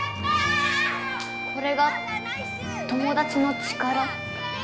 これが友達の力？